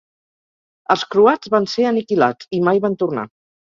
Els croats van ser aniquilats i mai van tornar.